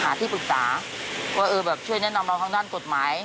ที่ปรึกษาว่าเออแบบช่วยแนะนำเราทางด้านกฎหมาย